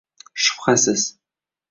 Shubhasiz!